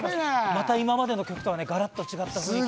また、今までの曲とはガラッと違った感じ。